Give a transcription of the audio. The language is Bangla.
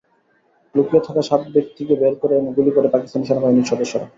লুকিয়ে থাকা সাত ব্যক্তিকে বের করে এনে গুলি করে পাকিস্তানি বাহিনীর সদস্যরা।